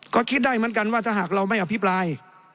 ก็คิดได้เหมือนกันว่าถ้าหากเราไม่อภิปราย